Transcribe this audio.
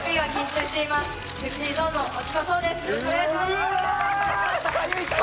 よろしくお願いします！